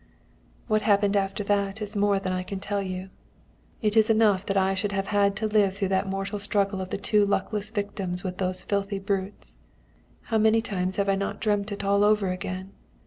"What happened after that is more than I can tell you. It is enough that I should have had to live through that mortal struggle of the two luckless victims with those filthy brutes. How many times have I not dreamt it all over again!